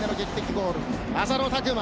ゴール浅野拓磨。